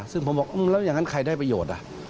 ซึ่งผมบอกแล้วอย่างนั้นใครได้ประโยชน์